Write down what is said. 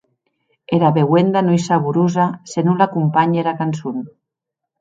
Era beuenda non ei saborosa se non l’acompanhe era cançon.